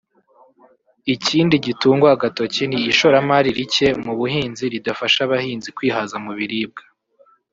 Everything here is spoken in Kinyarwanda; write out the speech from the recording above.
Ikindi gitungwa agatoki ni ishoramari rike mu buhinzi ridafasha abahinzi kwihaza mu biribwa